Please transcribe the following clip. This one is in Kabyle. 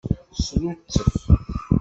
Sluttef.